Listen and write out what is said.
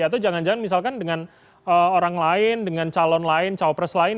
atau jangan jangan misalkan dengan orang lain dengan calon lain cawapres lain